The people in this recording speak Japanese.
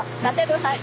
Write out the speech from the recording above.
はい。